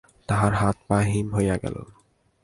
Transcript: তাহার হাত পা হিম হইয়া গেল!